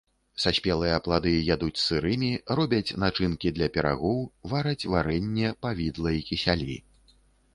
Саспелыя плады ядуць сырымі, робяць начынкі для пірагоў, вараць варэнне, павідла і кісялі.